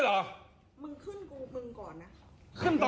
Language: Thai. ต้องกินต้องใช้เหมือนกัน